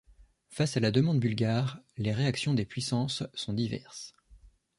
Face à la demande bulgare, les réactions des puissances sont diverses.